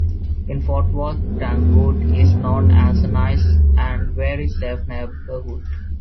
In Fort Worth, Tanglewood is known as a nice and very safe neighborhood.